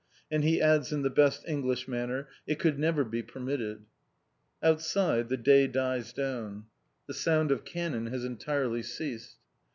And he adds in the best English manner, "It could never be permitted!" Outside, the day dies down. The sound of cannon has entirely ceased.